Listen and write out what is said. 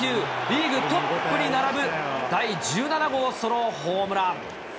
リーグトップに並ぶ第１７号ソロホームラン。